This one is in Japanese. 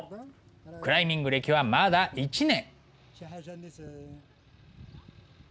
クライミング歴はまだ１年。